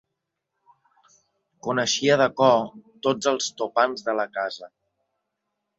Coneixia de cor tots els topants de la casa.